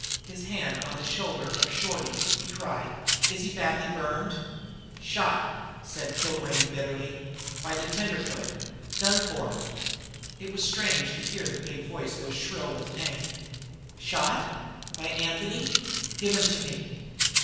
His hand on the shoulder of Shorty, he cried: "Is he badly burned?" "Shot," said Kilrain bitterly, "by the tenderfoot; done for." It was strange to hear the big voice go shrill with pain. "Shot? By Anthony? Give him to me."